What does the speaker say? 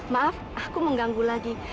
maaf aku mengganggu lagi